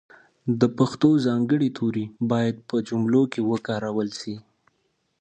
د پښتو ځانګړي توري باید په جملو کښې وکارول سي.